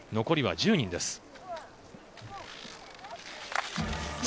残りは１０人です。